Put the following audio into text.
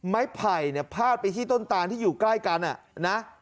ไม้ไผ่พาดไปที่ต้นตานที่อยู่ใกล้กัน